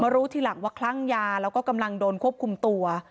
รู้ทีหลังว่าคลั่งยาแล้วก็กำลังโดนควบคุมตัว